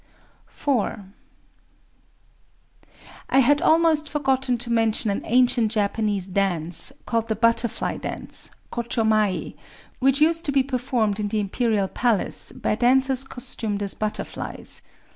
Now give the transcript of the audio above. IV I had almost forgotten to mention an ancient Japanese dance, called the Butterfly Dance (Kochō Mai), which used to be performed in the Imperial Palace, by dancers costumed as butterflies.